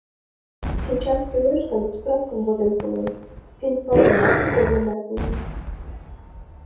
Сейчас кӱлеш гын, справкым возен пуэм, финпланымат теменак мием.